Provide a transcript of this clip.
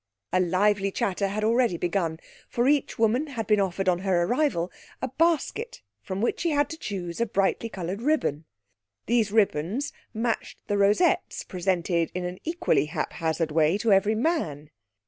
A lively chatter had already begun; for each woman had been offered on her arrival a basket from which she had to choose a brightly coloured ribbon. These ribbons matched the rosettes presented in an equally haphazard way to every man.